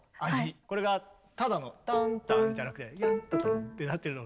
これがただのタンタンじゃなくてヤントトンってなってるのが。